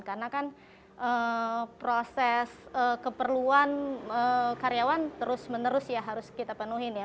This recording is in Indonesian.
karena kan proses keperluan karyawan terus menerus ya harus kita penuhin ya